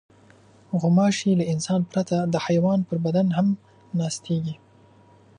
غوماشې له انسان پرته د حیوان پر بدن هم ناستېږي.